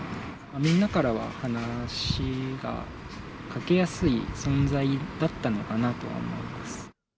みんなからは、話がかけやすい存在だったのかなとは思います。